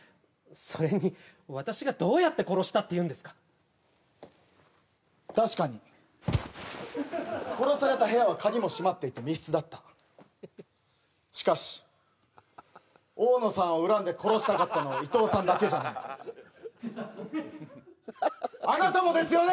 それに私がどうやって殺したっていうんですか確かに殺された部屋は鍵も閉まっていて密室だったしかしオオノさんを恨んで殺したかったのはイトウさんだけじゃないあなたもですよね